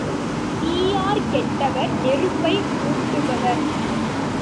தீயார் கெட்டவர் நெருப்பை மூட்டுபவர்.